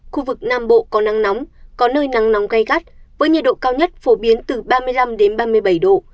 khu vực nam bộ có nắng nóng có nơi nắng nóng gai gắt với nhiệt độ cao nhất phổ biến từ ba mươi năm ba mươi bảy độ